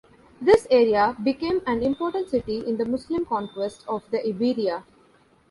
This area became an important city in the Muslim conquest of the Iberia.